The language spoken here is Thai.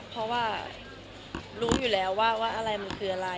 เพราะว่ารู้อยู่แล้วว่าอะไรมันคืออะไร